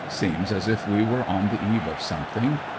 Seems as if we were on the eve of something.